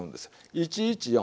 １１４。